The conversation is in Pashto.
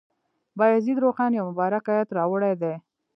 بایزید روښان یو مبارک آیت راوړی دی.